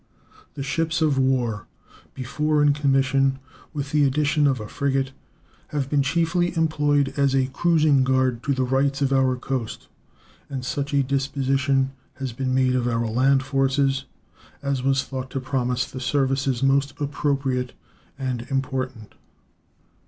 The ships of war before in commission, with the addition of a frigate, have been chiefly employed as a cruising guard to the rights of our coast, and such a disposition has been made of our land forces as was thought to promise the services most appropriate and important.